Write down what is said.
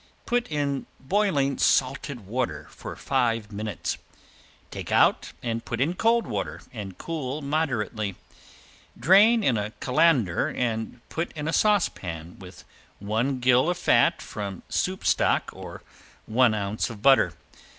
Put in boiling salted water for five minutes. Take out and put in cold water and cool moderately. Drain in a colander and put in a saucepan with one gill of fat from soup stock or one ounce of butter.